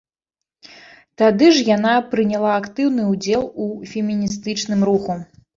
Тады ж яна прыняла актыўны ўдзел у феміністычным руху.